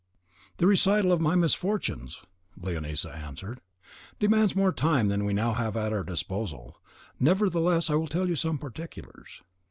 "The recital of my misfortunes," Leonisa answered, "demands more time than we have now at our disposal; nevertheless, I will tell you some particulars.